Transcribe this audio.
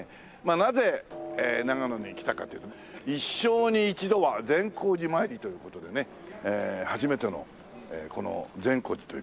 なぜ長野に来たかというと「一生に一度は善光寺詣り」という事でね初めてのこの善光寺という事で。